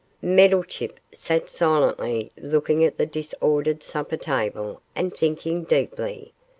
Meddlechip sat silently looking at the disordered supper table and thinking deeply.